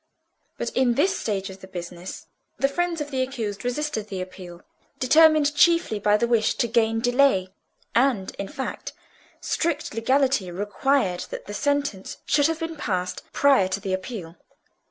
But in this stage of the business, the friends of the accused resisted the appeal, determined chiefly by the wish to gain delay; and, in fact, strict legality required that sentence should have been passed prior to the appeal.